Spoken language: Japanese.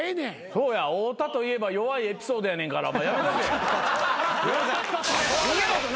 そうや太田といえば弱いエピソードやねんからやめとけ。